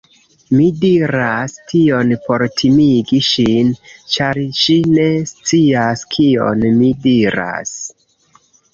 Mi diras tion por timigi ŝin, ĉar ŝi ne scias kion mi diras.